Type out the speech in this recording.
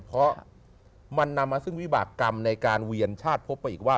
เพราะมันนำมาซึ่งวิบากรรมในการเวียนชาติพบไปอีกว่า